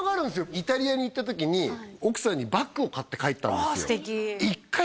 イタリアに行った時に奥さんにバッグを買って帰ったんですよ